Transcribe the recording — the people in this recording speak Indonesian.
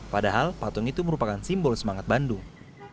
padahal patung itu merupakan simbol semangat bandung